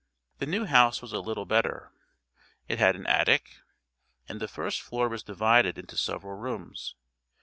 The new house was a little better, it had an attic, and the first floor was divided into several rooms.